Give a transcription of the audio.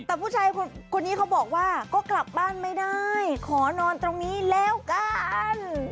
แต่ผู้ชายคนนี้เขาบอกว่าก็กลับบ้านไม่ได้ขอนอนตรงนี้แล้วกัน